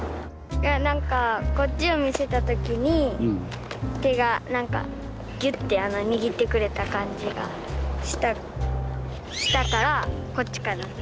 何かこっちを見せた時に手が何かギュッて握ってくれた感じがしたしたからこっちかな。